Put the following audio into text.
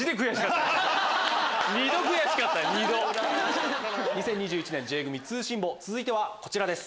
２０２１年Ｊ組通信簿続いてはこちらです。